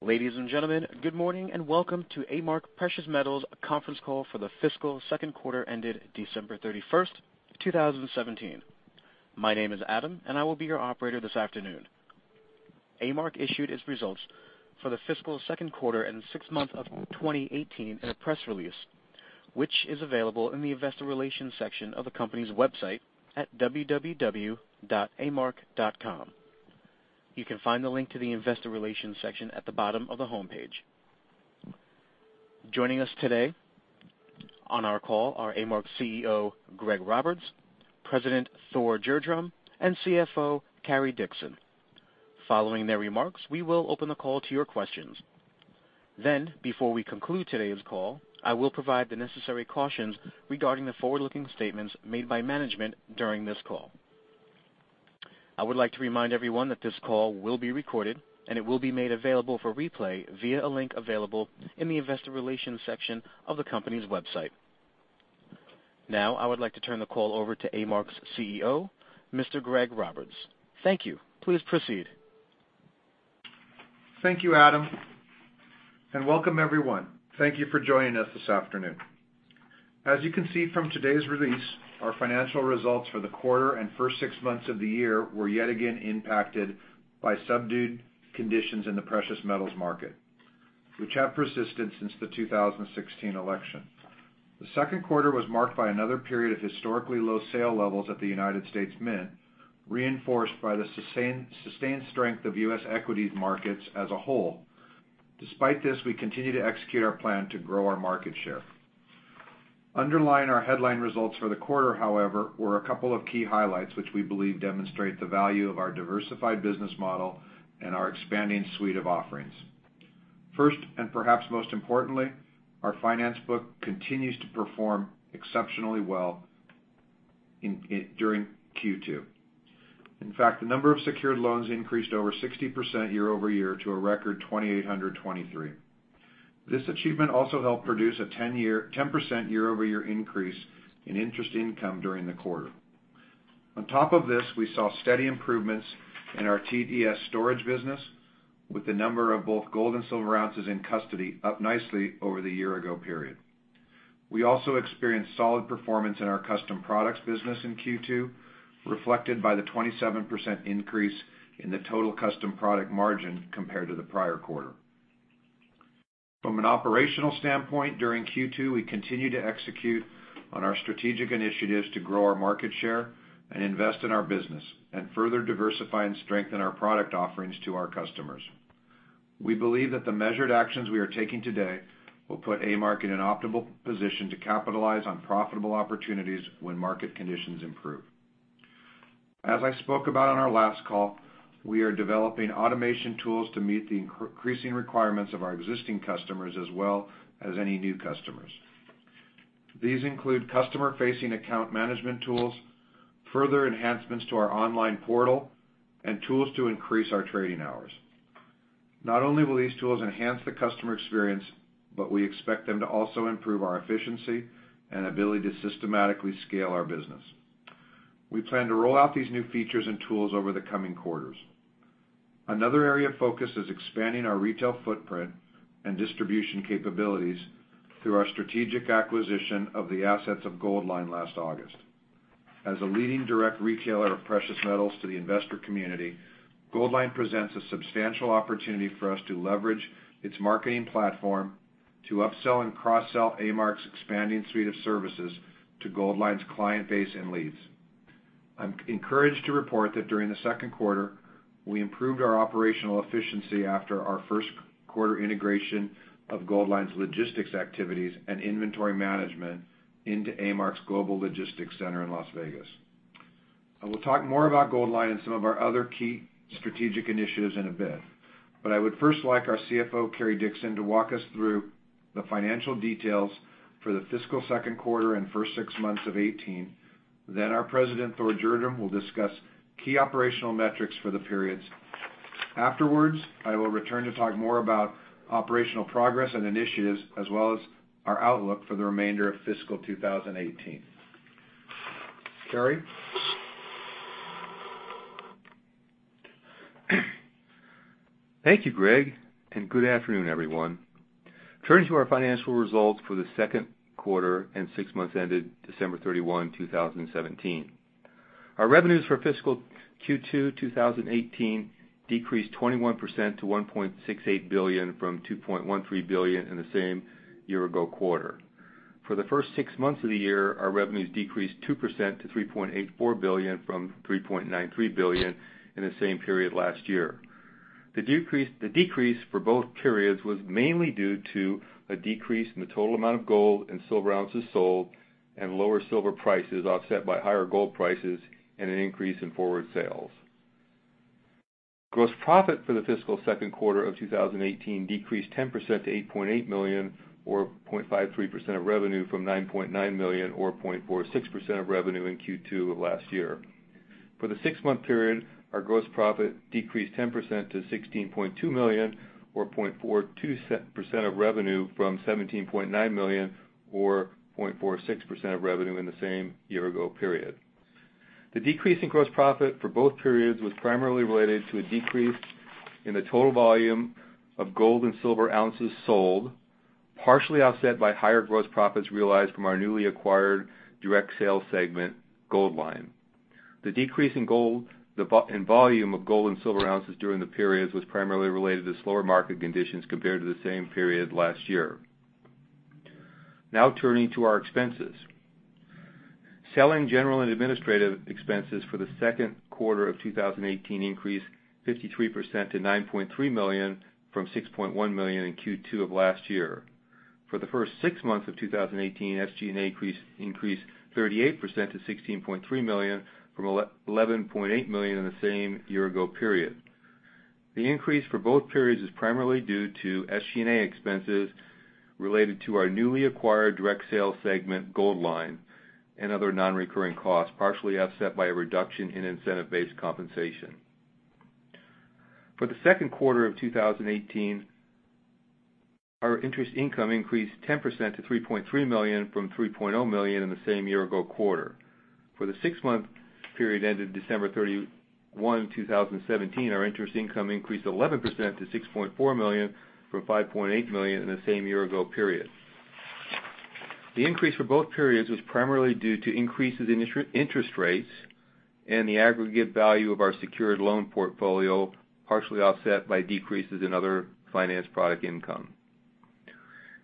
Ladies and gentlemen, good morning and welcome to A-Mark Precious Metals conference call for the fiscal second quarter ended December 31st, 2017. My name is Adam, and I will be your operator this afternoon. A-Mark issued its results for the fiscal second quarter and sixth month of 2018 in a press release, which is available in the investor relations section of the company's website at amark.com. You can find the link to the investor relations section at the bottom of the homepage. Joining us today on our call are A-Mark's CEO, Greg Roberts, President Thor Gjerdrum, and CFO Cary Dickson. Following their remarks, we will open the call to your questions. Then, before we conclude today's call, I will provide the necessary cautions regarding the forward-looking statements made by management during this call. I would like to remind everyone that this call will be recorded, and it will be made available for replay via a link available in the investor relations section of the company's website. Now, I would like to turn the call over to A-Mark's CEO, Mr. Greg Roberts. Thank you. Please proceed. Thank you, Adam, and welcome everyone. Thank you for joining us this afternoon. As you can see from today's release, our financial results for the quarter and first six months of the year were yet again impacted by subdued conditions in the precious metals market, which have persisted since the 2016 election. The second quarter was marked by another period of historically low sale levels at the United States Mint, reinforced by the sustained strength of U.S. equities markets as a whole. Despite this, we continue to execute our plan to grow our market share. Underlying our headline results for the quarter, however, were a couple of key highlights which we believe demonstrate the value of our diversified business model and our expanding suite of offerings. First, and perhaps most importantly, our finance book continues to perform exceptionally well during Q2. In fact, the number of secured loans increased over 60% year-over-year to a record 2,823. This achievement also helped produce a 10% year-over-year increase in interest income during the quarter. On top of this, we saw steady improvements in our TDS storage business with the number of both gold and silver ounces in custody up nicely over the year-ago period. We also experienced solid performance in our custom products business in Q2, reflected by the 27% increase in the total custom product margin compared to the prior quarter. From an operational standpoint, during Q2, we continued to execute on our strategic initiatives to grow our market share and invest in our business and further diversify and strengthen our product offerings to our customers. We believe that the measured actions we are taking today will put A-Mark in an optimal position to capitalize on profitable opportunities when market conditions improve. As I spoke about on our last call, we are developing automation tools to meet the increasing requirements of our existing customers as well as any new customers. These include customer-facing account management tools, further enhancements to our online portal, and tools to increase our trading hours. Not only will these tools enhance the customer experience, but we expect them to also improve our efficiency and ability to systematically scale our business. We plan to roll out these new features and tools over the coming quarters. Another area of focus is expanding our retail footprint and distribution capabilities through our strategic acquisition of the assets of Goldline last August. As a leading direct retailer of precious metals to the investor community, Goldline presents a substantial opportunity for us to leverage its marketing platform to upsell and cross-sell A-Mark's expanding suite of services to Goldline's client base and leads. I'm encouraged to report that during the second quarter, we improved our operational efficiency after our first quarter integration of Goldline's logistics activities and inventory management into A-Mark's global logistics center in Las Vegas. I will talk more about Goldline and some of our other key strategic initiatives in a bit, but I would first like our CFO, Cary Dickson, to walk us through the financial details for the fiscal second quarter and first six months of 2018. Our president, Thor Gjerdrum, will discuss key operational metrics for the periods. Afterwards, I will return to talk more about operational progress and initiatives, as well as our outlook for the remainder of fiscal 2018. Cary? Thank you, Greg, and good afternoon, everyone. Turning to our financial results for the second quarter and six months ended December 31, 2017. Our revenues for fiscal Q2 2018 decreased 21% to $1.68 billion from $2.13 billion in the same year-ago quarter. For the first six months of the year, our revenues decreased 2% to $3.84 billion from $3.93 billion in the same period last year. The decrease for both periods was mainly due to a decrease in the total amount of gold and silver ounces sold and lower silver prices offset by higher gold prices and an increase in forward sales. Gross profit for the fiscal second quarter of 2018 decreased 10% to $8.8 million, or 0.53% of revenue from $9.9 million or 0.46% of revenue in Q2 of last year. For the six-month period, our gross profit decreased 10% to $16.2 million or 0.42% of revenue from $17.9 million or 0.46% of revenue in the same year-ago period. The decrease in gross profit for both periods was primarily related to a decrease in the total volume of gold and silver ounces sold, partially offset by higher gross profits realized from our newly acquired direct sales segment, Goldline. The decrease in volume of gold and silver ounces during the periods was primarily related to slower market conditions compared to the same period last year. Now turning to our expenses. Selling, general, and administrative expenses for the second quarter of 2018 increased 53% to $9.3 million from $6.1 million in Q2 of last year. For the first six months of 2018, SG&A increased 38% to $16.3 million from $11.8 million in the same year-ago period. The increase for both periods is primarily due to SG&A expenses related to our newly acquired direct sales segment, Goldline, and other non-recurring costs, partially offset by a reduction in incentive-based compensation. For the second quarter of 2018, our interest income increased 10% to $3.3 million from $3.0 million in the same year-ago quarter. For the six-month period ended December 31, 2017, our interest income increased 11% to $6.4 million from $5.8 million in the same year-ago period. The increase for both periods was primarily due to increases in interest rates and the aggregate value of our secured loan portfolio, partially offset by decreases in other finance product income.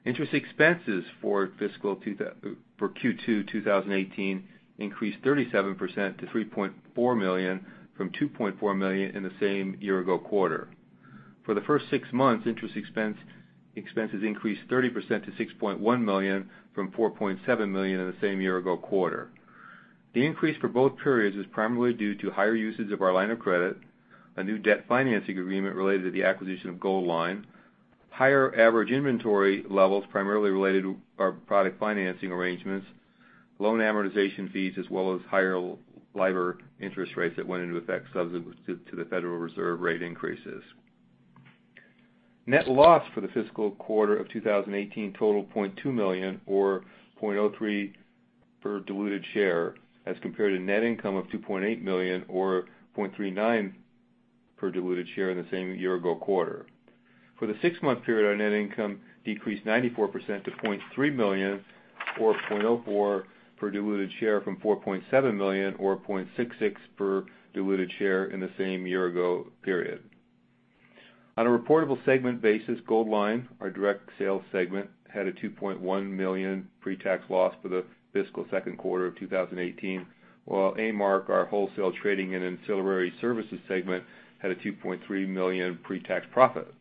Interest expenses for Q2 2018 increased 37% to $3.4 million from $2.4 million in the same year-ago quarter. For the first six months, interest expenses increased 30% to $6.1 million from $4.7 million in the same year-ago quarter. The increase for both periods was primarily due to higher usage of our line of credit, a new debt financing agreement related to the acquisition of Goldline, higher average inventory levels primarily related to our product financing arrangements, loan amortization fees, as well as higher LIBOR interest rates that went into effect subsequent to the Federal Reserve rate increases. Net loss for the fiscal quarter of 2018 totaled $0.2 million or $0.03 per diluted share as compared to net income of $2.8 million or $0.39 per diluted share in the same year-ago quarter. For the six-month period, our net income decreased 94% to $0.3 million or $0.04 per diluted share from $4.7 million or $0.66 per diluted share in the same year-ago period. On a reportable segment basis, Goldline, our direct sales segment, had a $2.1 million pre-tax loss for the fiscal second quarter of 2018, while A-Mark, our wholesale trading and ancillary services segment, had a $2.3 million pre-tax profit.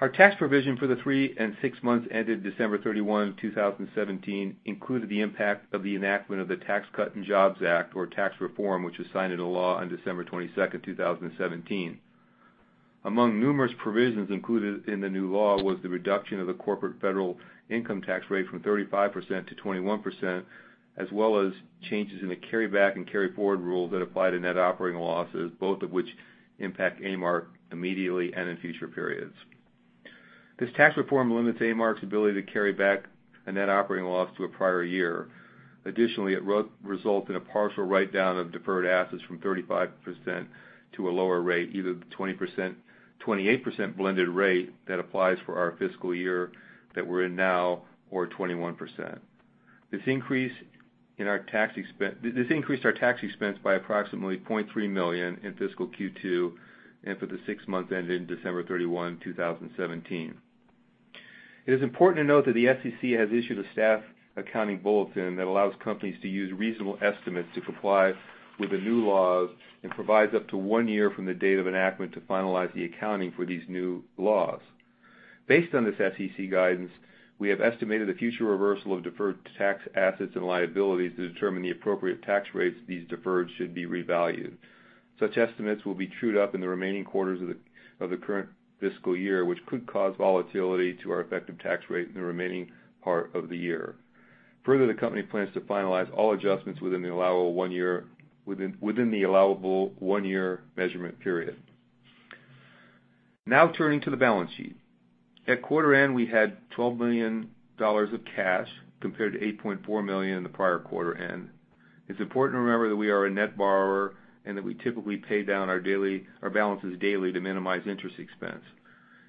Our tax provision for the three and six months ended December 31, 2017, included the impact of the enactment of the Tax Cuts and Jobs Act, or tax reform, which was signed into law on December 22, 2017. Among numerous provisions included in the new law was the reduction of the corporate federal income tax rate from 35% to 21%, as well as changes in the carryback and carryforward rules that apply to net operating losses, both of which impact A-Mark immediately and in future periods. This tax reform limits A-Mark's ability to carry back a net operating loss to a prior year. Additionally, it will result in a partial write-down of deferred assets from 35% to a lower rate, either the 28% blended rate that applies for our fiscal year that we're in now, or 21%. This increased our tax expense by approximately $0.3 million in fiscal Q2 and for the six months ended December 31, 2017. It is important to note that the SEC has issued a staff accounting bulletin that allows companies to use reasonable estimates to comply with the new laws and provides up to one year from the date of enactment to finalize the accounting for these new laws. Based on this SEC guidance, we have estimated the future reversal of deferred tax assets and liabilities to determine the appropriate tax rates these deferred should be revalued. Such estimates will be trued up in the remaining quarters of the current fiscal year, which could cause volatility to our effective tax rate in the remaining part of the year. Further, the company plans to finalize all adjustments within the allowable one-year measurement period. Now turning to the balance sheet. At quarter end, we had $12 million of cash, compared to $8.4 million in the prior quarter end. It's important to remember that we are a net borrower and that we typically pay down our balances daily to minimize interest expense.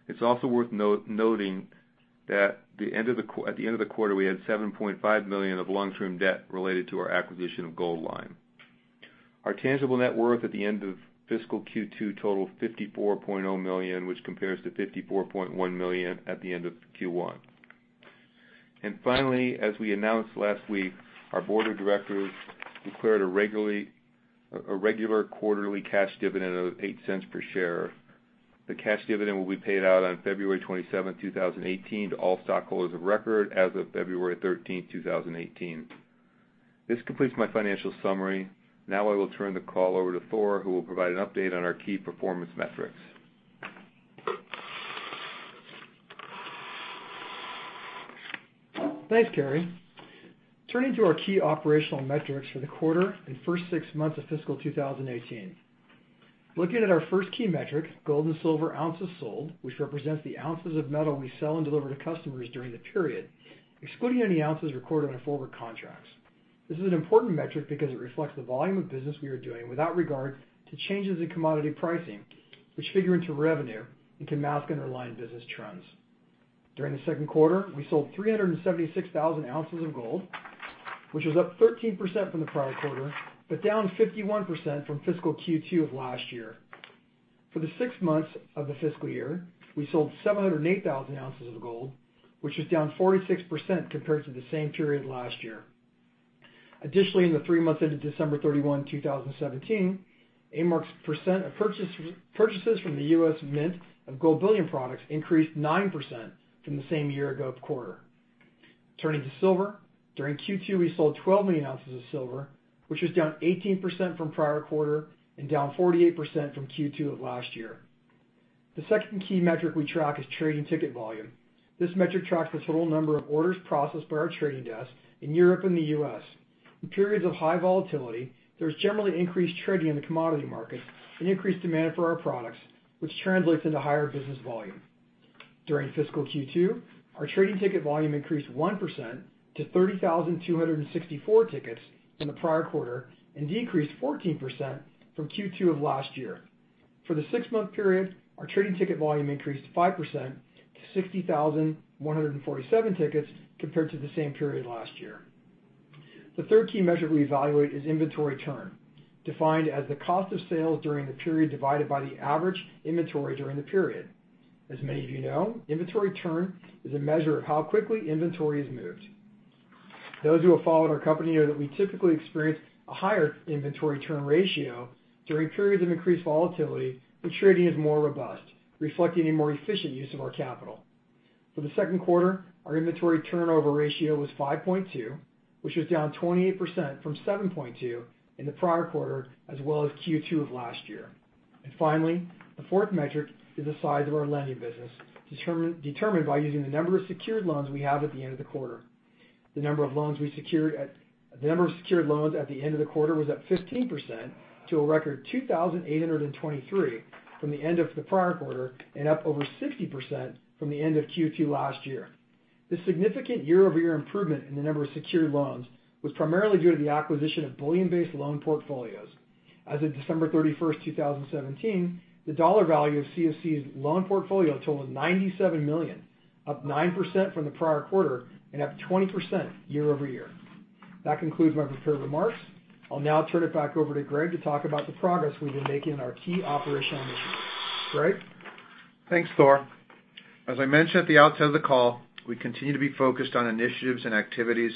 It's also worth noting that at the end of the quarter, we had $7.5 million of long-term debt related to our acquisition of Goldline. Our tangible net worth at the end of fiscal Q2 totaled $54.0 million, which compares to $54.1 million at the end of Q1. Finally, as we announced last week, our board of directors declared a regular quarterly cash dividend of $0.08 per share. The cash dividend will be paid out on February 27, 2018, to all stockholders of record as of February 13, 2018. This completes my financial summary. Now I will turn the call over to Thor, who will provide an update on our key performance metrics. Thanks, Cary. Turning to our key operational metrics for the quarter and first six months of fiscal 2018. Looking at our first key metric, gold and silver ounces sold, which represents the ounces of metal we sell and deliver to customers during the period, excluding any ounces recorded on forward contracts. This is an important metric because it reflects the volume of business we are doing without regard to changes in commodity pricing, which figure into revenue and can mask underlying business trends. During the second quarter, we sold 376,000 ounces of gold, which was up 13% from the prior quarter, but down 51% from fiscal Q2 of last year. For the six months of the fiscal year, we sold 708,000 ounces of gold, which is down 46% compared to the same period last year. Additionally, in the three months ended December 31, 2017, A-Mark's percent of purchases from the U.S. Mint of gold bullion products increased 9% from the same year-ago quarter. Turning to silver, during Q2, we sold 12 million ounces of silver, which was down 18% from prior quarter and down 48% from Q2 of last year. The second key metric we track is trading ticket volume. This metric tracks the total number of orders processed by our trading desk in Europe and the U.S. In periods of high volatility, there's generally increased trading in the commodity markets and increased demand for our products, which translates into higher business volume. During fiscal Q2, our trading ticket volume increased 1% to 30,264 tickets in the prior quarter and decreased 14% from Q2 of last year. For the six-month period, our trading ticket volume increased 5% to 60,147 tickets compared to the same period last year. The third key measure we evaluate is inventory turn, defined as the cost of sales during the period divided by the average inventory during the period. As many of you know, inventory turn is a measure of how quickly inventory is moved. Those who have followed our company know that we typically experience a higher inventory turn ratio during periods of increased volatility when trading is more robust, reflecting a more efficient use of our capital. For the second quarter, our inventory turnover ratio was 5.2, which was down 28% from 7.2 in the prior quarter, as well as Q2 of last year. Finally, the fourth metric is the size of our lending business, determined by using the number of secured loans we have at the end of the quarter. The number of secured loans at the end of the quarter was up 15% to a record 2,823 from the end of the prior quarter and up over 60% from the end of Q2 last year. This significant year-over-year improvement in the number of secured loans was primarily due to the acquisition of bullion-based loan portfolios. As of December 31, 2017, the dollar value of CFC's loan portfolio totaled $97 million, up 9% from the prior quarter and up 20% year-over-year. That concludes my prepared remarks. I'll now turn it back over to Greg to talk about the progress we've been making in our key operational initiatives. Greg? Thanks, Thor. As I mentioned at the outset of the call, we continue to be focused on initiatives and activities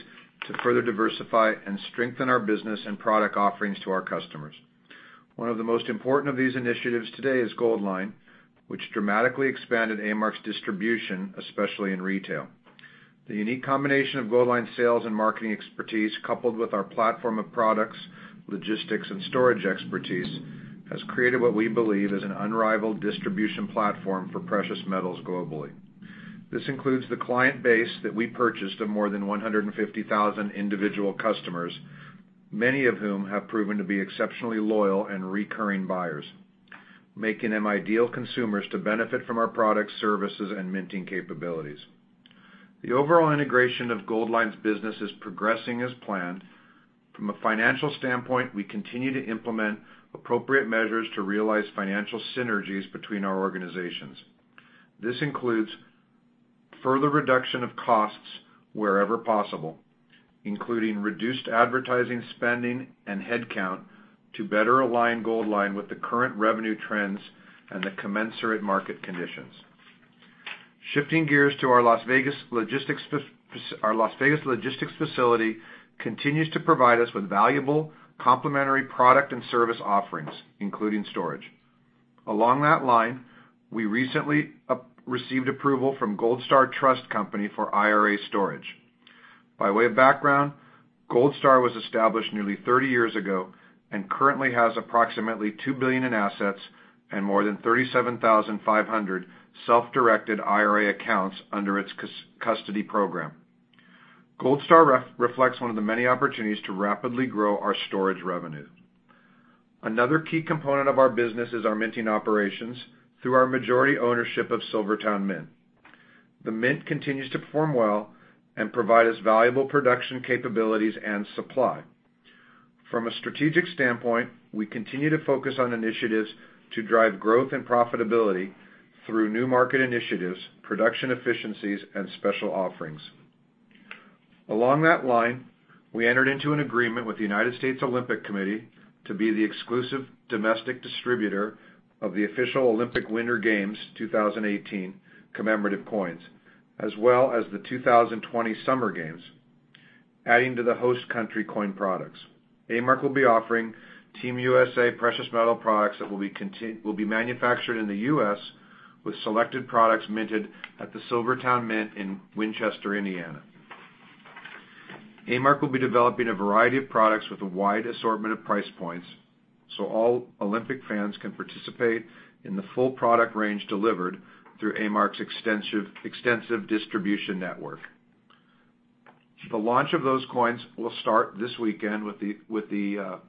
to further diversify and strengthen our business and product offerings to our customers. One of the most important of these initiatives today is Goldline, which dramatically expanded A-Mark's distribution, especially in retail. The unique combination of Goldline sales and marketing expertise, coupled with our platform of products, logistics, and storage expertise, has created what we believe is an unrivaled distribution platform for precious metals globally. This includes the client base that we purchased of more than 150,000 individual customers, many of whom have proven to be exceptionally loyal and recurring buyers, making them ideal consumers to benefit from our products, services, and minting capabilities. The overall integration of Goldline's business is progressing as planned. From a financial standpoint, we continue to implement appropriate measures to realize financial synergies between our organizations. This includes further reduction of costs wherever possible, including reduced advertising spending and headcount to better align Goldline with the current revenue trends and the commensurate market conditions. Shifting gears to our Las Vegas logistics facility continues to provide us with valuable complementary product and service offerings, including storage. Along that line, we recently received approval from GoldStar Trust Company for IRA storage. By way of background, GoldStar was established nearly 30 years ago and currently has approximately $2 billion in assets and more than 37,500 self-directed IRA accounts under its custody program. GoldStar reflects one of the many opportunities to rapidly grow our storage revenue. Another key component of our business is our minting operations through our majority ownership of SilverTowne Mint. The Mint continues to perform well and provide us valuable production capabilities and supply. From a strategic standpoint, we continue to focus on initiatives to drive growth and profitability through new market initiatives, production efficiencies, and special offerings. Along that line, we entered into an agreement with the United States Olympic Committee to be the exclusive domestic distributor of the official Olympic Winter Games 2018 commemorative coins, as well as the 2020 Summer Games, adding to the host country coin products. A-Mark will be offering Team USA precious metal products that will be manufactured in the U.S. with selected products minted at the SilverTowne Mint in Winchester, Indiana. A-Mark will be developing a variety of products with a wide assortment of price points, so all Olympic fans can participate in the full product range delivered through A-Mark's extensive distribution network. The launch of those coins will start this weekend with the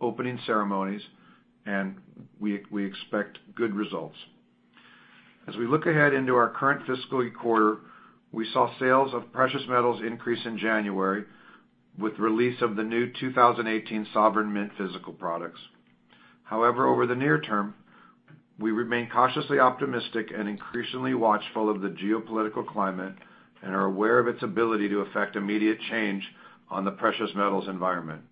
opening ceremonies. We expect good results. As we look ahead into our current fiscal quarter, we saw sales of precious metals increase in January with release of the new 2018 Sovereign Mint physical products. Over the near term, we remain cautiously optimistic and increasingly watchful of the geopolitical climate and are aware of its ability to affect immediate change on the precious metals environment.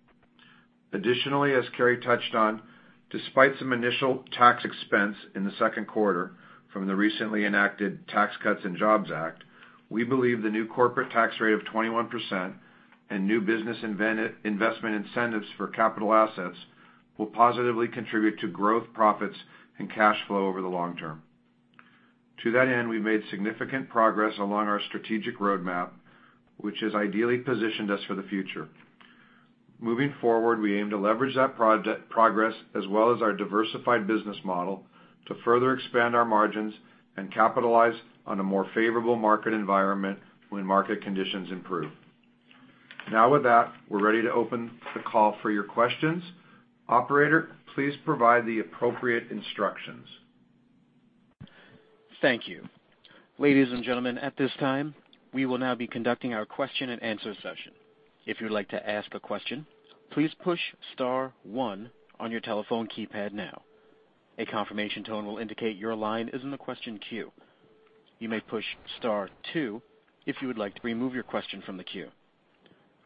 Additionally, as Cary touched on, despite some initial tax expense in the second quarter from the recently enacted Tax Cuts and Jobs Act, we believe the new corporate tax rate of 21% and new business investment incentives for capital assets will positively contribute to growth, profits, and cash flow over the long term. To that end, we've made significant progress along our strategic roadmap, which has ideally positioned us for the future. Moving forward, we aim to leverage that progress as well as our diversified business model to further expand our margins and capitalize on a more favorable market environment when market conditions improve. With that, we're ready to open the call for your questions. Operator, please provide the appropriate instructions. Thank you. Ladies and gentlemen, at this time, we will now be conducting our question and answer session. If you would like to ask a question, please push star one on your telephone keypad now. A confirmation tone will indicate your line is in the question queue. You may push star two if you would like to remove your question from the queue.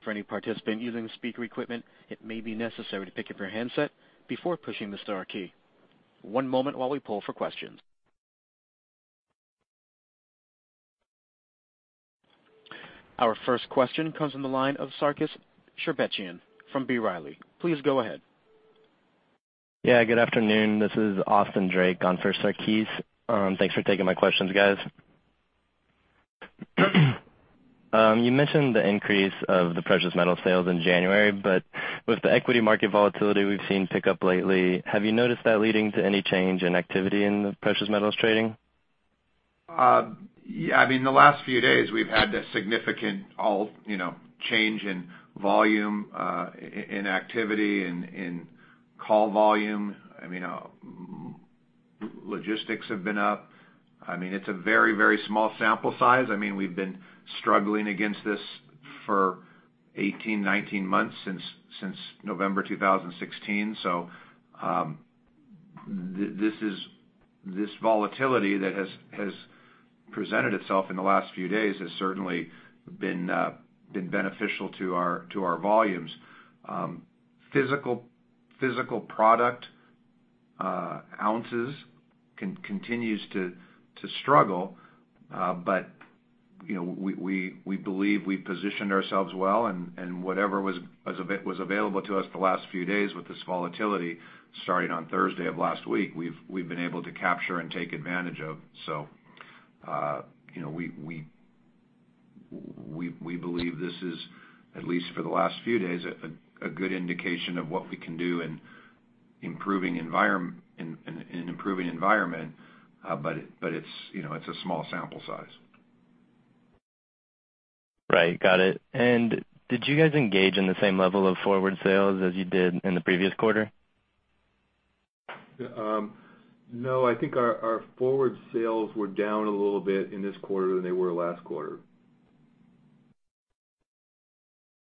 For any participant using speaker equipment, it may be necessary to pick up your handset before pushing the star key. One moment while we pull for questions. Our first question comes from the line of Sarkis Sherbetchyan from B. Riley. Please go ahead. Good afternoon. This is Austin Drake on for Sarkis. Thanks for taking my questions, guys. You mentioned the increase of the precious metal sales in January, but with the equity market volatility we've seen pick up lately, have you noticed that leading to any change in activity in the precious metals trading? In the last few days, we've had a significant change in volume, in activity, in call volume. Logistics have been up. It's a very small sample size. We've been struggling against this for 18, 19 months, since November 2016. This volatility that has presented itself in the last few days has certainly been beneficial to our volumes. Physical product ounces continues to struggle, but we believe we've positioned ourselves well and whatever was available to us the last few days with this volatility, starting on Thursday of last week, we've been able to capture and take advantage of. We believe this is, at least for the last few days, a good indication of what we can do in improving environment, but it's a small sample size. Right. Got it. Did you guys engage in the same level of forward sales as you did in the previous quarter? No, I think our forward sales were down a little bit in this quarter than they were last quarter.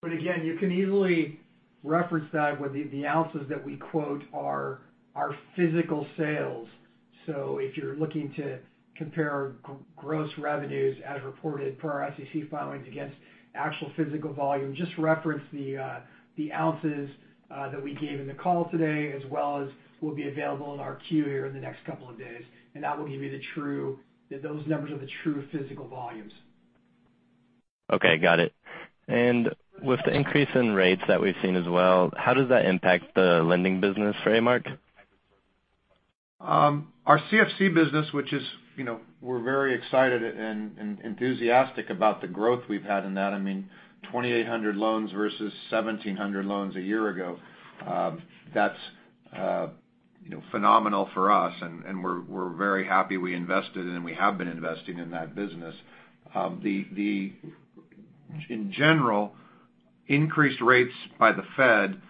Again, you can easily reference that with the ounces that we quote are our physical sales. If you're looking to compare gross revenues as reported per our SEC filings against actual physical volume, just reference the ounces that we gave in the call today, as well as will be available in our Q here in the next couple of days, those numbers are the true physical volumes. Okay, got it. With the increase in rates that we've seen as well, how does that impact the lending business for A-Mark? Our CFC business, which we're very excited and enthusiastic about the growth we've had in that. 2,800 loans versus 1,700 loans a year ago. That's phenomenal for us, and we're very happy we invested in and we have been investing in that business. In general, increased rates by the Fed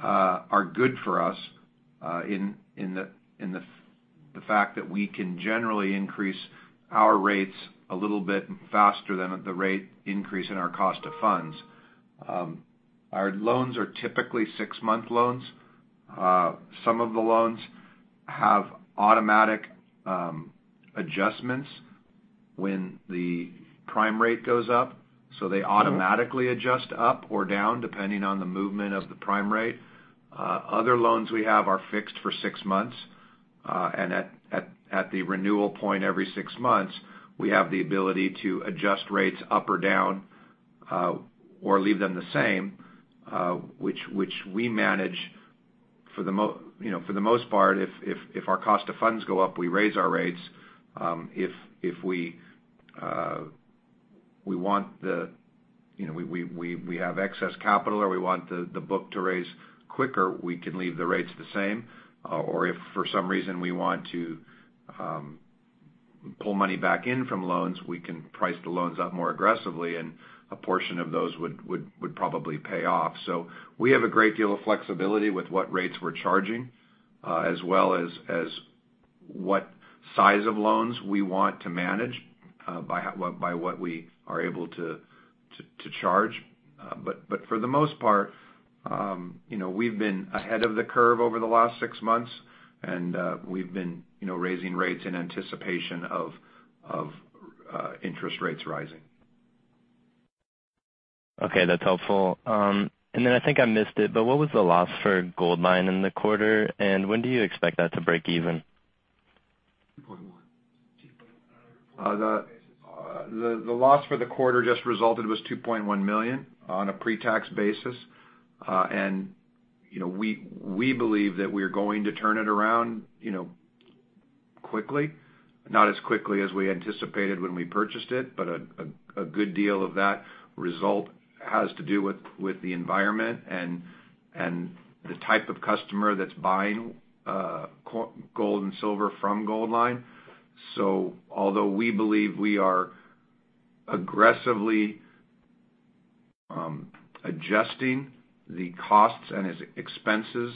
are good for us in the fact that we can generally increase our rates a little bit faster than the rate increase in our cost of funds. Our loans are typically six-month loans. Some of the loans have automatic adjustments when the prime rate goes up, they automatically adjust up or down, depending on the movement of the prime rate. Other loans we have are fixed for six months, at the renewal point every six months, we have the ability to adjust rates up or down, or leave them the same, which we manage for the most part, if our cost of funds go up, we raise our rates. If we have excess capital or we want the book to raise quicker, we can leave the rates the same. If for some reason we want to pull money back in from loans, we can price the loans out more aggressively, and a portion of those would probably pay off. We have a great deal of flexibility with what rates we're charging, as well as what size of loans we want to manage by what we are able to charge. For the most part, we've been ahead of the curve over the last six months, and we've been raising rates in anticipation of interest rates rising. Okay, that's helpful. I think I missed it, but what was the loss for Goldline in the quarter, and when do you expect that to break even? The loss for the quarter just resulted was $2.1 million on a pre-tax basis. We believe that we are going to turn it around quickly. Not as quickly as we anticipated when we purchased it, but a good deal of that result has to do with the environment and the type of customer that's buying gold and silver from Goldline. Although we believe we are aggressively adjusting the costs and its expenses,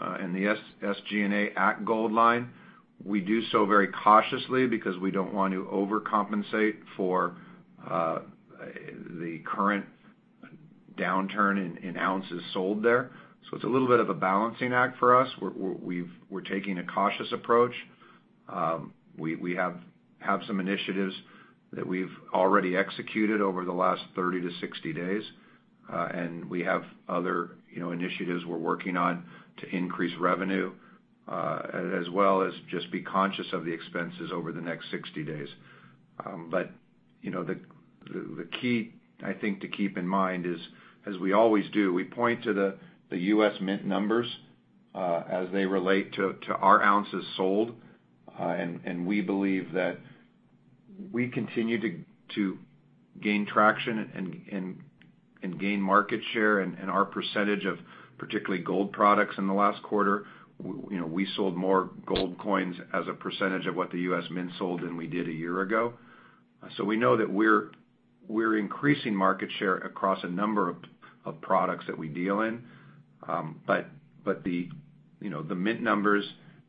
and the SG&A at Goldline, we do so very cautiously because we don't want to overcompensate for the current downturn in ounces sold there. It's a little bit of a balancing act for us. We're taking a cautious approach. We have some initiatives that we've already executed over the last 30 to 60 days. We have other initiatives we're working on to increase revenue, as well as just be conscious of the expenses over the next 60 days. The key, I think, to keep in mind is, as we always do, we point to the U.S. Mint numbers as they relate to our ounces sold. We believe that we continue to gain traction and gain market share and our percentage of particularly gold products in the last quarter. We sold more gold coins as a percentage of what the U.S. Mint sold than we did a year ago. We know that we're increasing market share across a number of products that we deal in. The Mint numbers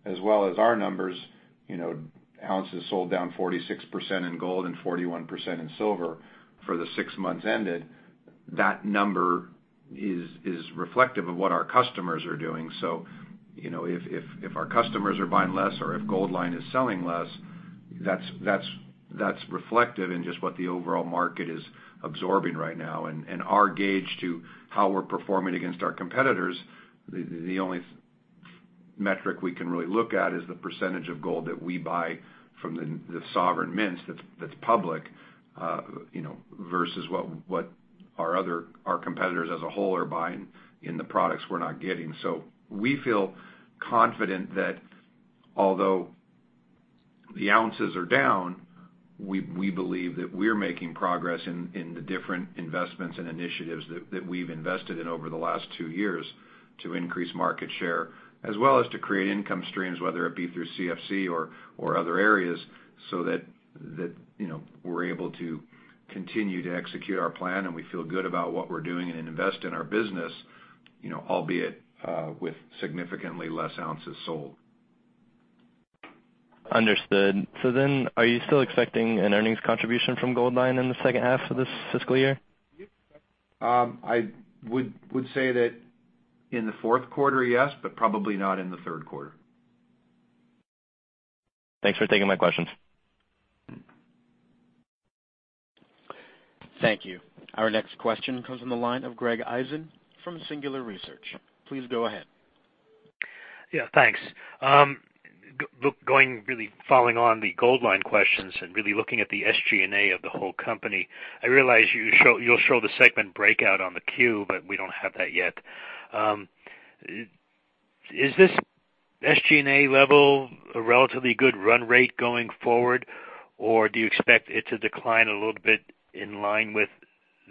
as well as our numbers, ounces sold down 46% in gold and 41% in silver for the six months ended, that number is reflective of what our customers are doing. If our customers are buying less or if Goldline is selling less, that's reflective in just what the overall market is absorbing right now. Our gauge to how we're performing against our competitors, the only metric we can really look at is the percentage of gold that we buy from the sovereign mints that's public, versus what our competitors as a whole are buying in the products we're not getting. We feel confident that although the ounces are down, we believe that we're making progress in the different investments and initiatives that we've invested in over the last two years to increase market share, as well as to create income streams, whether it be through CFC or other areas, that we're able to continue to execute our plan, and we feel good about what we're doing and invest in our business, albeit, with significantly less ounces sold. Understood. Are you still expecting an earnings contribution from Goldline in the second half of this fiscal year? I would say that in the fourth quarter, yes, but probably not in the third quarter. Thanks for taking my questions. Thank you. Our next question comes from the line of Greg Eisen from Singular Research. Please go ahead. Yeah, thanks. Going really following on the Goldline questions and really looking at the SG&A of the whole company, I realize you'll show the segment breakout on the Q, but we don't have that yet. Is this SG&A level a relatively good run rate going forward, or do you expect it to decline a little bit in line with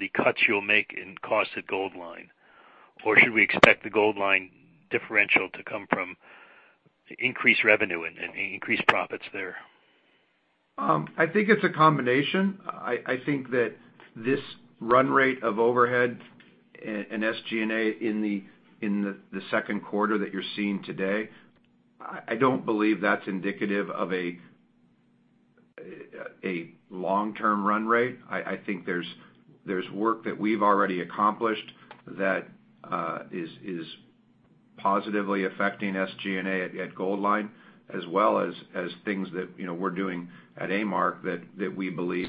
the cuts you'll make in cost at Goldline? Or should we expect the Goldline differential to come from increased revenue and increased profits there? I think it's a combination. I think that this run rate of overhead and SG&A in the second quarter that you're seeing today, I don't believe that's indicative of a long-term run rate. I think there's work that we've already accomplished that is positively affecting SG&A at Goldline, as well as things that we're doing at A-Mark that we believe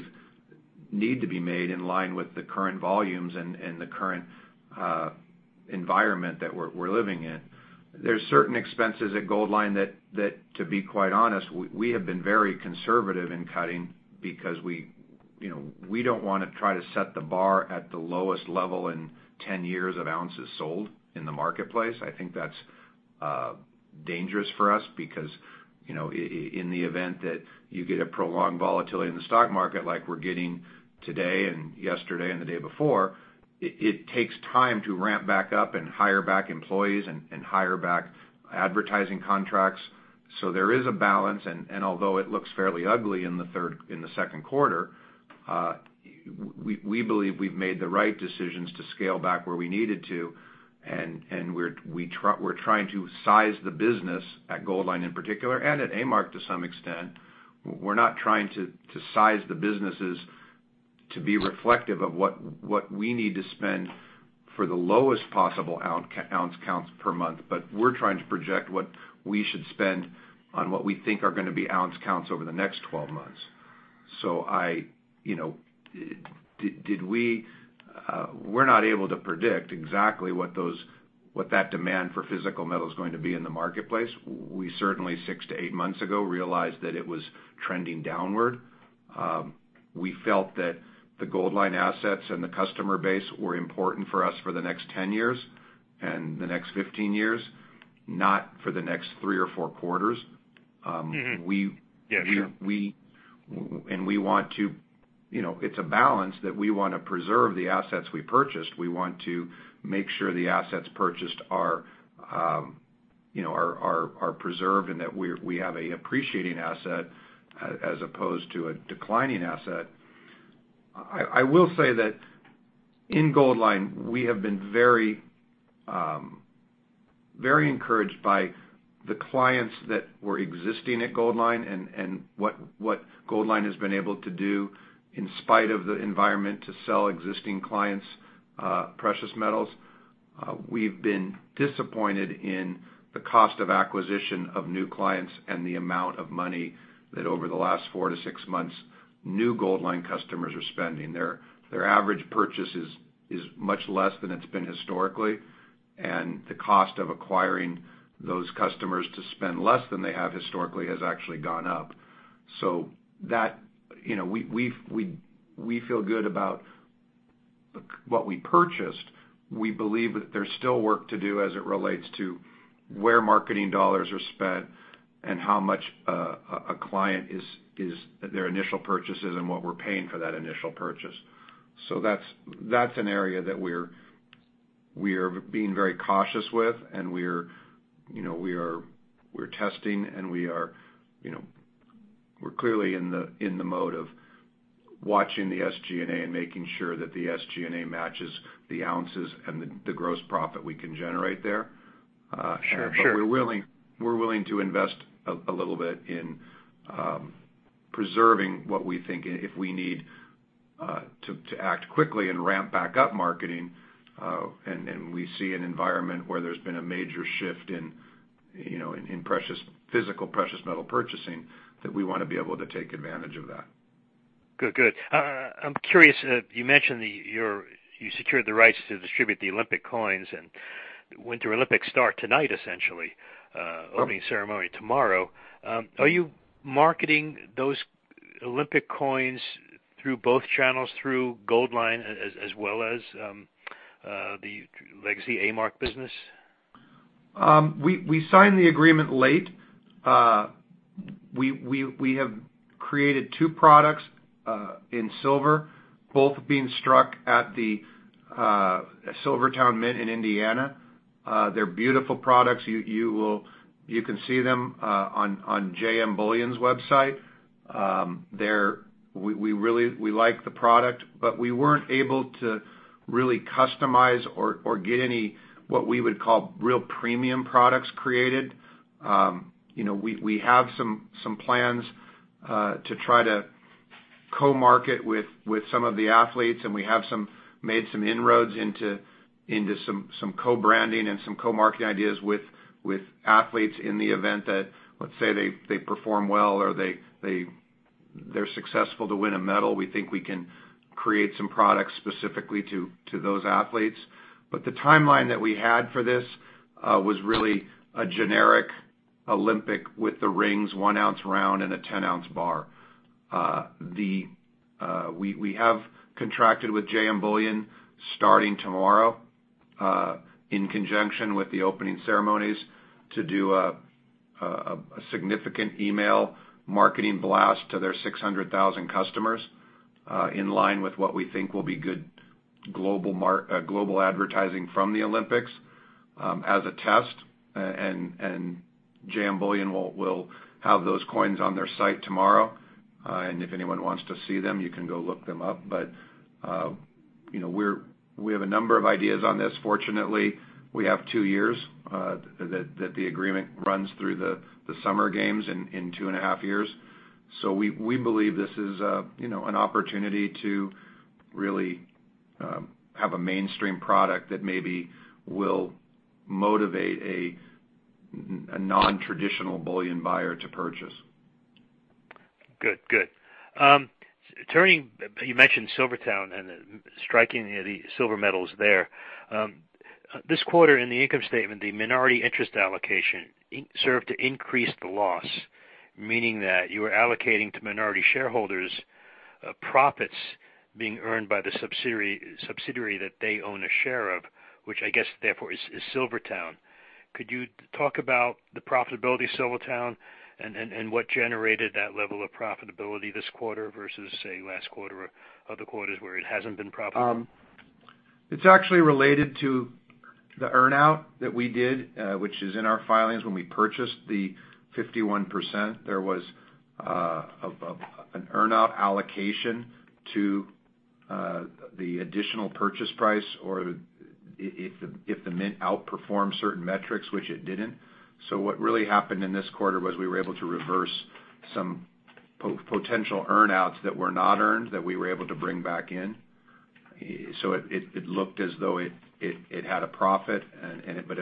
need to be made in line with the current volumes and the current environment that we're living in. There's certain expenses at Goldline that, to be quite honest, we have been very conservative in cutting because we don't want to try to set the bar at the lowest level in 10 years of ounces sold in the marketplace. I think that's dangerous for us because, in the event that you get a prolonged volatility in the stock market like we're getting today and yesterday and the day before, it takes time to ramp back up and hire back employees and hire back advertising contracts. There is a balance, and although it looks fairly ugly in the second quarter, we believe we've made the right decisions to scale back where we needed to, and we're trying to size the business at Goldline in particular, and at A-Mark to some extent. We're not trying to size the businesses to be reflective of what we need to spend for the lowest possible ounce counts per month. We're trying to project what we should spend on what we think are going to be ounce counts over the next 12 months. We're not able to predict exactly what that demand for physical metal is going to be in the marketplace. We certainly, six to eight months ago, realized that it was trending downward. We felt that the Goldline assets and the customer base were important for us for the next 10 years and the next 15 years, not for the next three or four quarters. Yeah, sure. It's a balance that we want to preserve the assets we purchased. We want to make sure the assets purchased are preserved and that we have an appreciating asset as opposed to a declining asset. I will say that in Goldline, we have been very encouraged by the clients that were existing at Goldline and what Goldline has been able to do in spite of the environment to sell existing clients precious metals. We've been disappointed in the cost of acquisition of new clients and the amount of money that over the last 4-6 months, new Goldline customers are spending. Their average purchase is much less than it's been historically, and the cost of acquiring those customers to spend less than they have historically has actually gone up. We feel good about what we purchased. We believe that there's still work to do as it relates to where marketing dollars are spent and how much a client is their initial purchases and what we're paying for that initial purchase. That's an area that we're being very cautious with and we're testing, and we're clearly in the mode of watching the SG&A and making sure that the SG&A matches the ounces and the gross profit we can generate there. Sure. We're willing to invest a little bit in preserving what we think if we need to act quickly and ramp back up marketing, and we see an environment where there's been a major shift in physical precious metal purchasing, that we want to be able to take advantage of that. Good. I'm curious, you mentioned that you secured the rights to distribute the Olympic coins and Winter Olympics start tonight, essentially. Opening ceremony tomorrow. Are you marketing those Olympic coins through both channels, through Goldline as well as the legacy A-Mark business? We signed the agreement late. We have created two products in silver, both being struck at the SilverTowne Mint in Indiana. They are beautiful products. You can see them on jmbullion.com. We like the product, but we were not able to really customize or get any, what we would call real premium products created. We have some plans to try to co-market with some of the athletes, and we have made some inroads into some co-branding and some co-marketing ideas with athletes in the event that, let's say, they perform well or they are successful to win a medal. We think we can create some products specifically to those athletes. But the timeline that we had for this was really a generic Olympic with the rings, 1 ounce round, and a 10-ounce bar. We have contracted with JM Bullion starting tomorrow, in conjunction with the opening ceremonies, to do a significant email marketing blast to their 600,000 customers, in line with what we think will be good global advertising from the Olympics as a test, and JM Bullion will have those coins on their site tomorrow. And if anyone wants to see them, you can go look them up. But we have a number of ideas on this. Fortunately, we have two years that the agreement runs through the Summer Games in two and a half years. So we believe this is an opportunity to really have a mainstream product that maybe will motivate a non-traditional bullion buyer to purchase. Good. Turning, you mentioned SilverTowne and striking the silver medals there. This quarter in the income statement, the minority interest allocation served to increase the loss, meaning that you were allocating to minority shareholders profits being earned by the subsidiary that they own a share of, which I guess therefore is SilverTowne. Could you talk about the profitability of SilverTowne and what generated that level of profitability this quarter versus, say, last quarter or other quarters where it has not been profitable? It is actually related to the earn-out that we did, which is in our filings when we purchased the 51%. There was an earn-out allocation to the additional purchase price, or if the Mint outperformed certain metrics, which it did not. So what really happened in this quarter was we were able to reverse some potential earn-outs that were not earned, that we were able to bring back in. So it looked as though it had a profit, but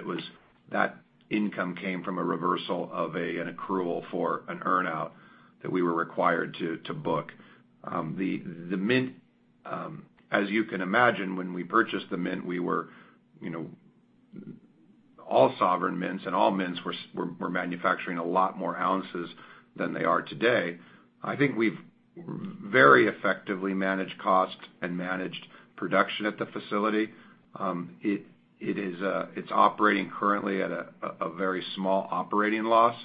that income came from a reversal of an accrual for an earn-out that we were required to book. The Mint, as you can imagine, when we purchased the Mint, all sovereign mints and all mints were manufacturing a lot more ounces than they are today. I think we have very effectively managed cost and managed production at the facility. It is operating currently at a very small operating loss.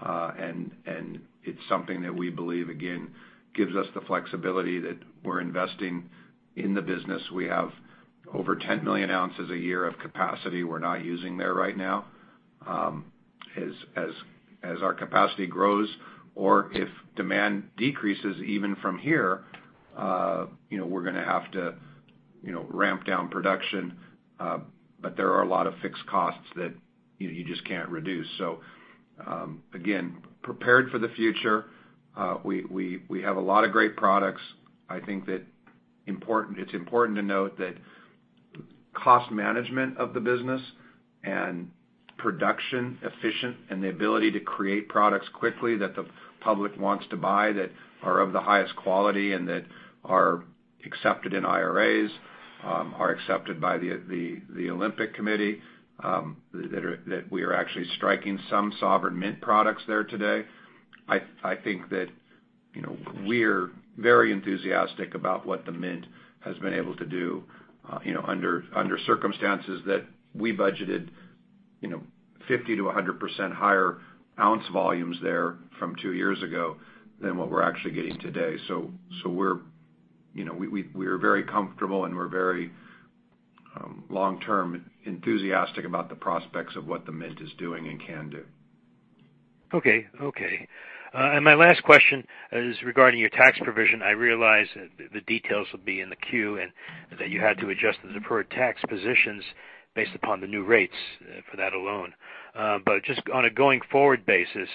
It's something that we believe, again, gives us the flexibility that we're investing in the business. We have over 10 million ounces a year of capacity we're not using there right now. As our capacity grows or if demand decreases even from here, we're going to have to ramp down production. There are a lot of fixed costs that you just can't reduce. Again, prepared for the future. We have a lot of great products. I think that it's important to note that cost management of the business and production efficient and the ability to create products quickly that the public wants to buy, that are of the highest quality, and that are accepted in IRAs, are accepted by the Olympic Committee, that we are actually striking some sovereign Mint products there today. I think that we're very enthusiastic about what the Mint has been able to do under circumstances that we budgeted 50%-100% higher ounce volumes there from two years ago than what we're actually getting today. We're very comfortable and we're very long-term enthusiastic about the prospects of what the Mint is doing and can do. Okay. My last question is regarding your tax provision. I realize the details will be in the queue and that you had to adjust the deferred tax positions based upon the new rates for that alone. Just on a going-forward basis,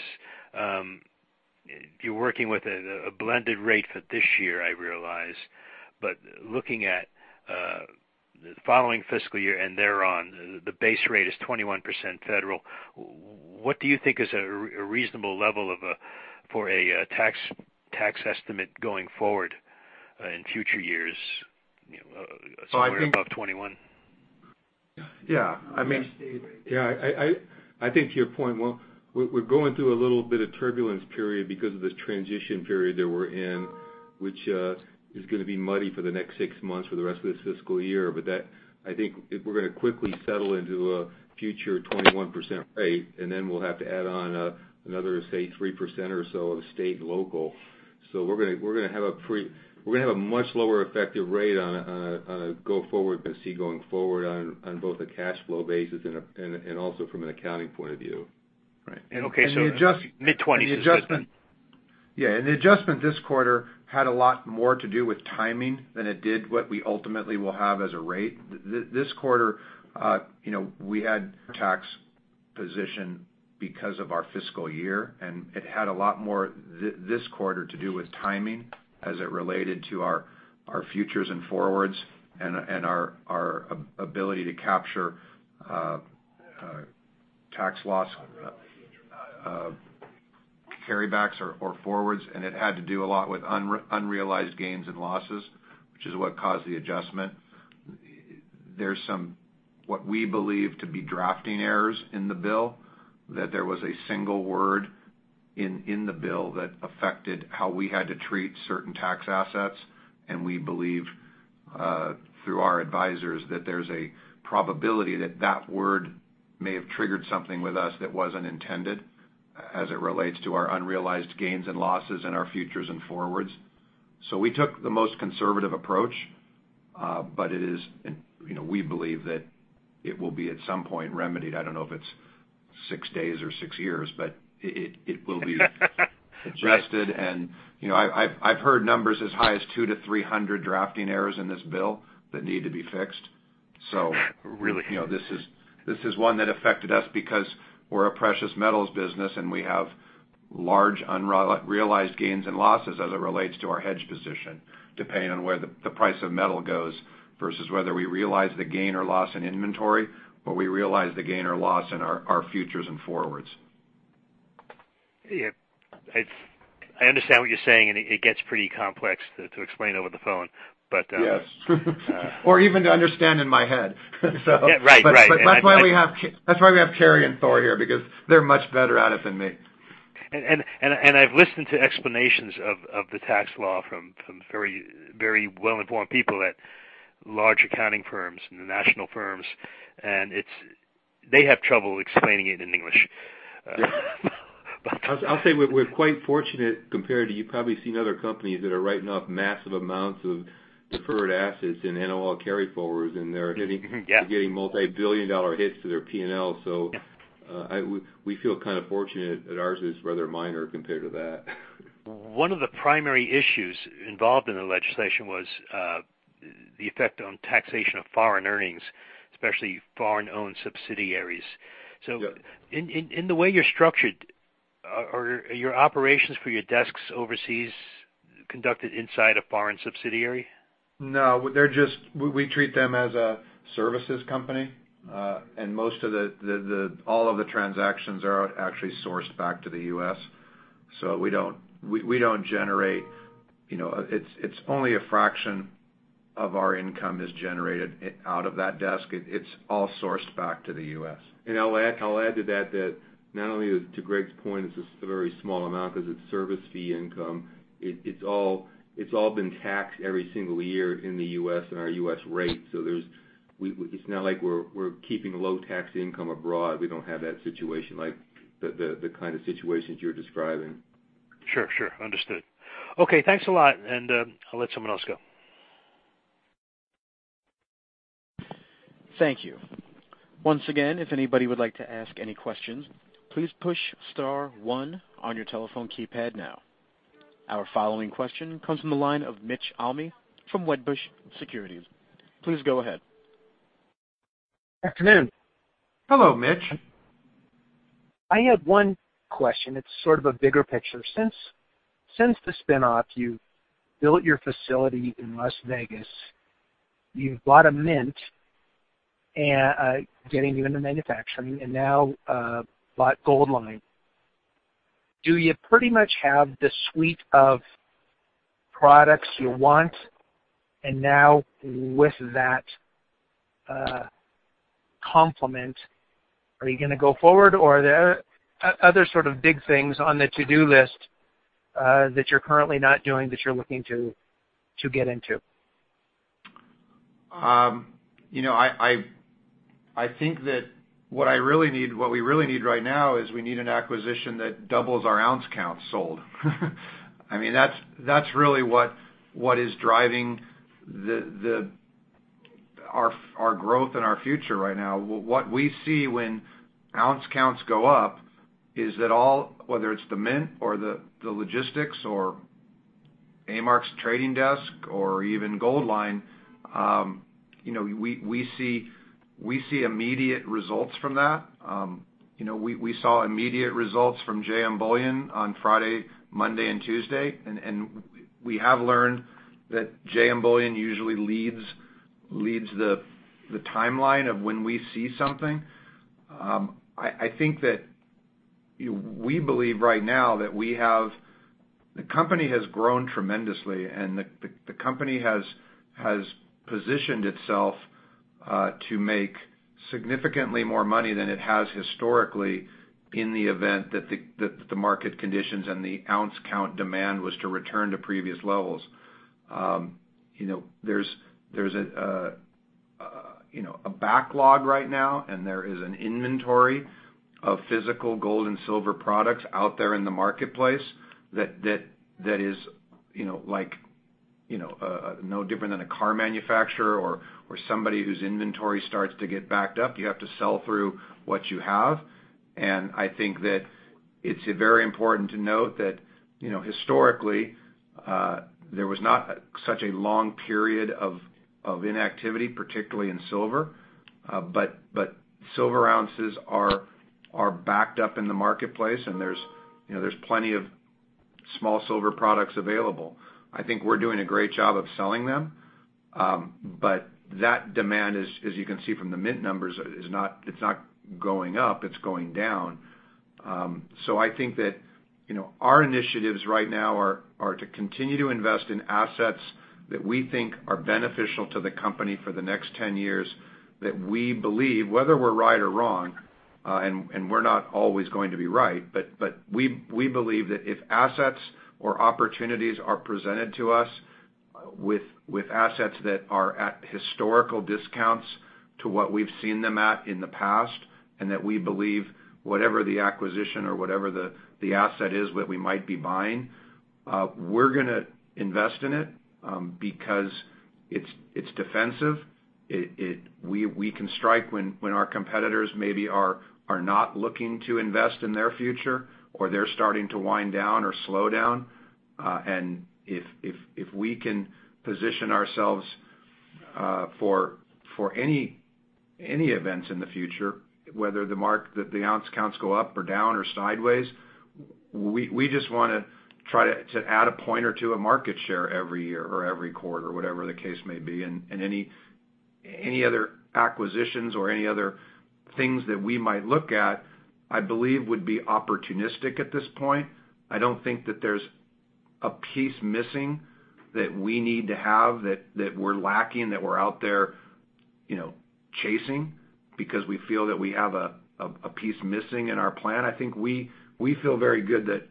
you're working with a blended rate for this year, I realize. Looking at the following fiscal year and thereon, the base rate is 21% federal. What do you think is a reasonable level for a tax estimate going forward in future years, somewhere above 21? Yeah. I think to your point, we're going through a little bit of turbulence period because of this transition period that we're in, which is going to be muddy for the next six months for the rest of this fiscal year. I think we're going to quickly settle into a future 21% rate, and then we'll have to add on another, say, 3% or so of state and local. We're going to have a much lower effective rate going forward on both a cash flow basis and also from an accounting point of view. Right. Okay, so mid-20s. Yeah. The adjustment this quarter had a lot more to do with timing than it did what we ultimately will have as a rate. This quarter we had tax position because of our fiscal year, it had a lot more this quarter to do with timing as it related to our futures and forwards and our ability to capture tax loss carry backs or forwards. It had to do a lot with unrealized gains and losses, which is what caused the adjustment. There's some, what we believe to be drafting errors in the bill, that there was a single word in the bill that affected how we had to treat certain tax assets, we believe through our advisors that there's a probability that that word may have triggered something with us that wasn't intended as it relates to our unrealized gains and losses and our futures and forwards. We took the most conservative approach. We believe that it will be at some point remedied. I don't know if it's six days or six years, but it will be. Right Adjusted. I've heard numbers as high as two to 300 drafting errors in this bill that need to be fixed. Really? This is one that affected us because we're a precious metals business, and we have large unrealized gains and losses as it relates to our hedge position, depending on where the price of metal goes versus whether we realize the gain or loss in inventory, but we realize the gain or loss in our futures and forwards. Yeah. I understand what you're saying, and it gets pretty complex to explain over the phone. Yes. Even to understand in my head. Right. That's why we have Cary and Thor here, because they're much better at it than me. I've listened to explanations of the tax law from very well-informed people at large accounting firms and the national firms. They have trouble explaining it in English. I'll say we're quite fortunate compared to, you've probably seen other companies that are writing off massive amounts of deferred assets and NOL carryforwards. Mm-hmm. Yeah Multi-billion dollar hits to their P&L. Yeah we feel kind of fortunate that ours is rather minor compared to that. One of the primary issues involved in the legislation was the effect on taxation of foreign earnings, especially foreign-owned subsidiaries. Yeah. In the way you're structured, are your operations for your desks overseas conducted inside a foreign subsidiary? No, we treat them as a services company. All of the transactions are actually sourced back to the U.S. We don't generate It's only a fraction of our income is generated out of that desk. It's all sourced back to the U.S. I'll add to that not only to Greg's point, it's a very small amount because it's service fee income. It's all been taxed every single year in the U.S. and our U.S. rate. It's not like we're keeping low tax income abroad. We don't have that situation like the kind of situations you're describing. Sure. Understood. Okay, thanks a lot, and I'll let someone else go. Thank you. Once again, if anybody would like to ask any questions, please push star one on your telephone keypad now. Our following question comes from the line of Mitch Almy from Wedbush Securities. Please go ahead. Afternoon. Hello, Mitch. I have one question. It's sort of a bigger picture. Since the spin-off, you've built your facility in Las Vegas, you've bought a mint, getting you into manufacturing, and now bought Goldline. Do you pretty much have the suite of products you want? Now with that complement, are you going to go forward or are there other sort of big things on the to-do list that you're currently not doing that you're looking to get into? I think that what we really need right now is we need an acquisition that doubles our ounce count sold. That's really what is driving our growth and our future right now. What we see when ounce counts go up is that all, whether it's the mint or the logistics or A-Mark's trading desk or even Goldline, we see immediate results from that. We saw immediate results from JM Bullion on Friday, Monday and Tuesday. We have learned that JM Bullion usually leads the timeline of when we see something. I think that we believe right now that the company has grown tremendously and the company has positioned itself to make significantly more money than it has historically in the event that the market conditions and the ounce count demand was to return to previous levels. There's a backlog right now. There is an inventory of physical gold and silver products out there in the marketplace that is no different than a car manufacturer or somebody whose inventory starts to get backed up. You have to sell through what you have. I think that it's very important to note that historically, there was not such a long period of inactivity, particularly in silver. Silver ounces are backed up in the marketplace, and there's plenty of small silver products available. I think we're doing a great job of selling them. That demand, as you can see from the mint numbers, it's not going up, it's going down. I think that our initiatives right now are to continue to invest in assets that we think are beneficial to the company for the next 10 years, that we believe, whether we're right or wrong. We're not always going to be right, but we believe that if assets or opportunities are presented to us with assets that are at historical discounts to what we've seen them at in the past. We believe whatever the acquisition or whatever the asset is that we might be buying, we're going to invest in it because it's defensive. We can strike when our competitors maybe are not looking to invest in their future or they're starting to wind down or slow down. If we can position ourselves for any events in the future, whether the ounce counts go up or down or sideways, we just want to try to add a point or two of market share every year or every quarter, whatever the case may be. Any other acquisitions or any other things that we might look at, I believe would be opportunistic at this point. I don't think that there's a piece missing that we need to have, that we're lacking, that we're out there chasing because we feel that we have a piece missing in our plan. I think we feel very good that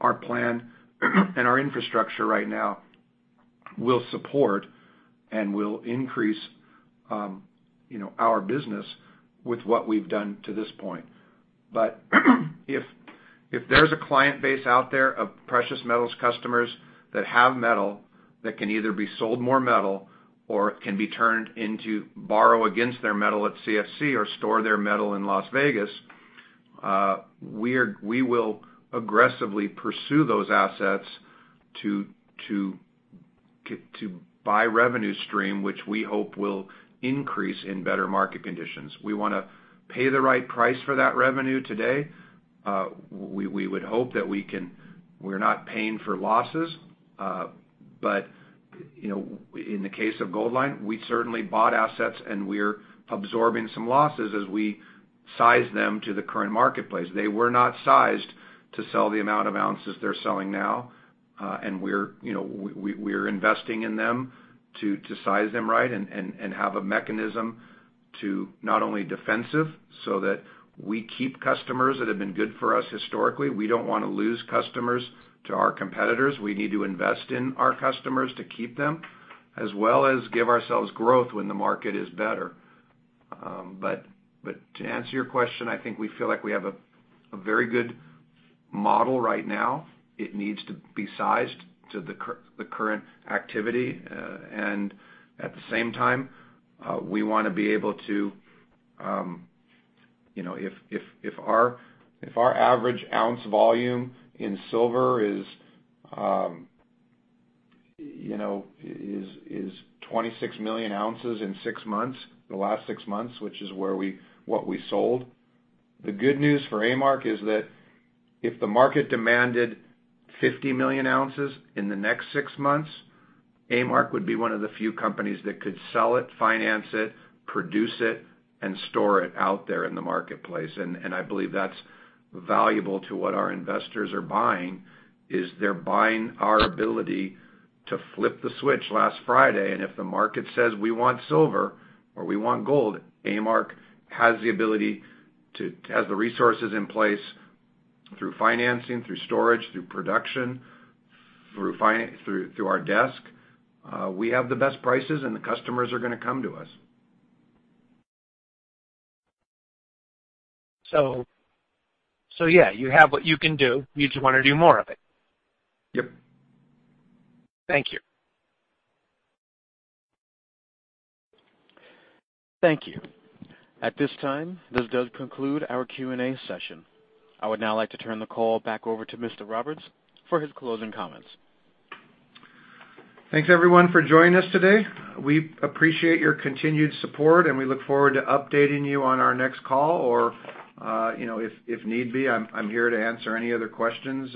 our plan and our infrastructure right now will support and will increase our business with what we've done to this point. If there's a client base out there of precious metals customers that have metal that can either be sold more metal or can be turned into borrow against their metal at CFC or store their metal in Las Vegas, we will aggressively pursue those assets to buy revenue stream, which we hope will increase in better market conditions. We want to pay the right price for that revenue today. We would hope that we're not paying for losses. In the case of Goldline, we certainly bought assets, and we're absorbing some losses as we size them to the current marketplace. They were not sized to sell the amount of ounces they're selling now. We're investing in them to size them right and have a mechanism to not only defensive so that we keep customers that have been good for us historically. We don't want to lose customers to our competitors. We need to invest in our customers to keep them, as well as give ourselves growth when the market is better. To answer your question, I think we feel like we have a very good model right now. It needs to be sized to the current activity. At the same time, we want to be able to. If our average ounce volume in silver is 26 million ounces in six months, the last six months, which is what we sold, the good news for A-Mark is that if the market demanded 50 million ounces in the next six months, A-Mark would be one of the few companies that could sell it, finance it, produce it, and store it out there in the marketplace. I believe that's valuable to what our investors are buying, is they're buying our ability to flip the switch last Friday. If the market says we want silver or we want gold, A-Mark has the resources in place through financing, through storage, through production, through our desk. We have the best prices, and the customers are going to come to us. Yeah, you have what you can do. You just want to do more of it. Yep. Thank you. Thank you. At this time, this does conclude our Q&A session. I would now like to turn the call back over to Mr. Roberts for his closing comments. Thanks, everyone, for joining us today. We appreciate your continued support, and we look forward to updating you on our next call, or if need be, I'm here to answer any other questions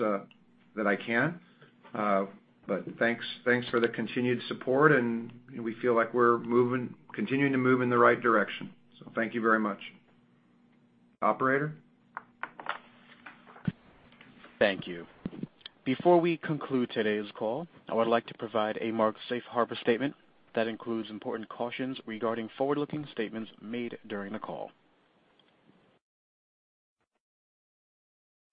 that I can. Thanks for the continued support, and we feel like we're continuing to move in the right direction. Thank you very much. Operator? Thank you. Before we conclude today's call, I would like to provide A-Mark safe harbor statement that includes important cautions regarding forward-looking statements made during the call.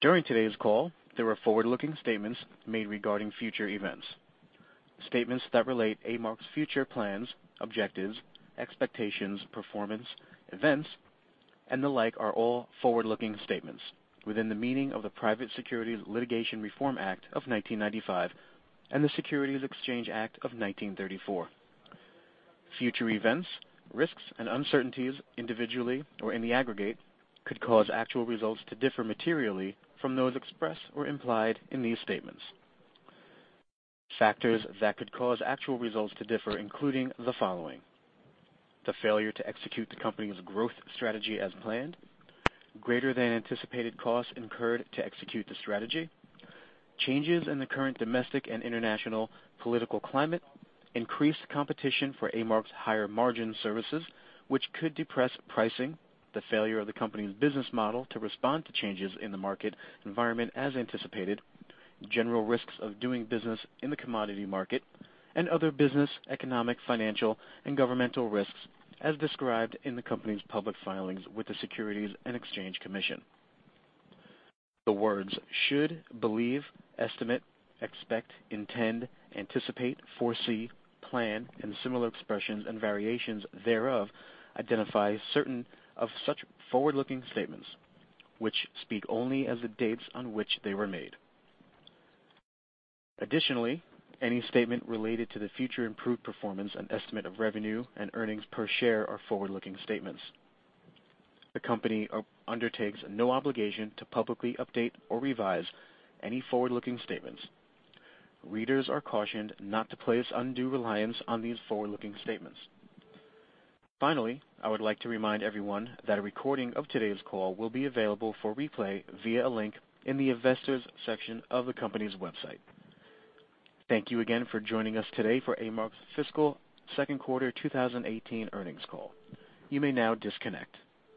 During today's call, there were forward-looking statements made regarding future events. Statements that relate A-Mark's future plans, objectives, expectations, performance, events, and the like are all forward-looking statements within the meaning of the Private Securities Litigation Reform Act of 1995 and the Securities Exchange Act of 1934. Future events, risks, and uncertainties individually or in the aggregate could cause actual results to differ materially from those expressed or implied in these statements. Factors that could cause actual results to differ including the following: the failure to execute the company's growth strategy as planned, greater than anticipated costs incurred to execute the strategy, changes in the current domestic and international political climate, increased competition for A-Mark's higher margin services, which could depress pricing, the failure of the company's business model to respond to changes in the market environment as anticipated, general risks of doing business in the commodity market, and other business, economic, financial, and governmental risks as described in the company's public filings with the Securities and Exchange Commission. The words should, believe, estimate, expect, intend, anticipate, foresee, plan, and similar expressions and variations thereof identify certain of such forward-looking statements, which speak only as the dates on which they were made. Additionally, any statement related to the future improved performance and estimate of revenue and earnings per share are forward-looking statements. The company undertakes no obligation to publicly update or revise any forward-looking statements. Readers are cautioned not to place undue reliance on these forward-looking statements. Finally, I would like to remind everyone that a recording of today's call will be available for replay via a link in the investors section of the company's website. Thank you again for joining us today for A-Mark's fiscal second quarter 2018 earnings call. You may now disconnect.